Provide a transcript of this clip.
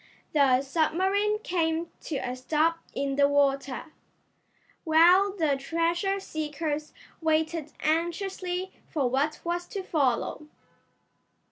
The submarine came to a stop in the water, while the treasure seekers waited anxiously for what was to follow.